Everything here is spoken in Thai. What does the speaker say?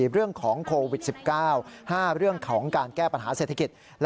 เรื่องของโควิด๑๙๕เรื่องของการแก้ปัญหาเศรษฐกิจ